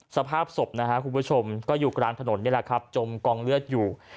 สภาพศพอยู่กลางถนนจมกองเลือดอยู่